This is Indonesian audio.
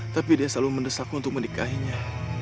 tapi dia selalu mendesakmu untuk menikahinya